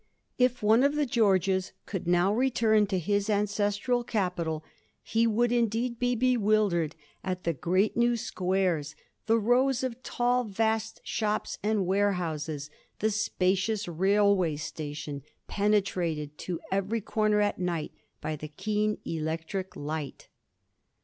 If one of the Georges could now return to his ancestral capital he would indeed be bewildered at the great new squares, the rows of tall vast shops and warehouses, the spacious railway station, penetrated to every comer at night by the keen electric light.